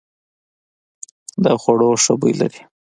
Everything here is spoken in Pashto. دا خوړو ښه بوی لري.